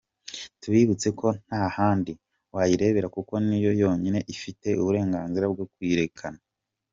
Tubibutse ko nta handi wayirebera kuko niyo yo nyine ifite uburenganzira bwo kuyirekana.